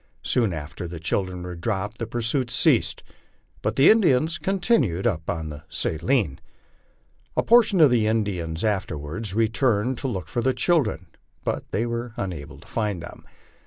Soon after the children were dropped the pursuit' ceased ; but the In dians continued on up the Saline. A portion of the Indians afterward re turned to look for the children, but they were unable to find them.